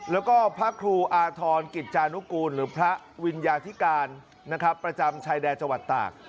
แล้วก็พระครูอาทรกิจจานุกูลหรือพระวิญญาธิการนะครับประจำชายแดนจังหวัดตาก